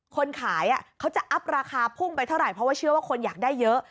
คนขายเขาจะอัพราคาพุ่งไปเท่าไหร่เพราะว่าเชื่อว่าคนอยากได้เยอะ